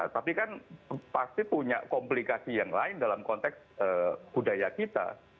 tapi kan pasti punya komplikasi yang lain dalam konteks budaya kita